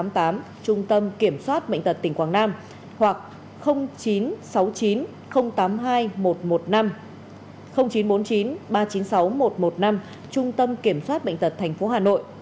trung tâm kiểm soát bệnh tật tỉnh quảng nam hoặc chín trăm sáu mươi chín tám mươi hai một trăm một mươi năm chín trăm bốn mươi chín ba trăm chín mươi sáu một trăm một mươi năm trung tâm kiểm soát bệnh tật tp hà nội